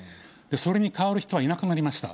それに代わる人がいなくなりました。